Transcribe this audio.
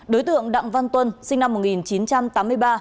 đối tượng đặng văn tuân sinh năm một nghìn chín trăm tám mươi ba